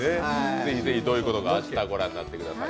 ぜひぜひ、どういうことか明日、御覧になってください。